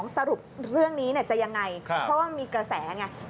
สรุปเรื่องนี้จะยังไงเพราะว่ามีกระแสไง